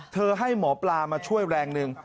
เธอให้หมอปลามาช่วยแรงนึง